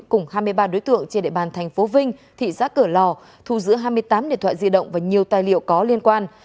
cùng hai mươi ba đối tượng trên đệ bàn tp vinh thị giác cửa lò thu giữ hai mươi tám điện thoại di động và nhiều tài liệu có liên quan